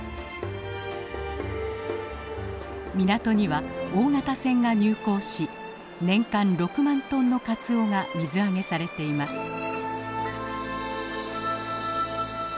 港には大型船が入港し年間６万トンのかつおが水揚げされています。